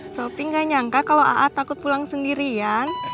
sopi gak nyangka kalau aa takut pulang sendirian